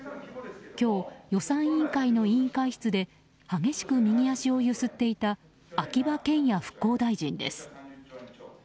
今日、予算委員会の委員会室で激しく右足をゆすっていた秋葉賢也復興大臣です。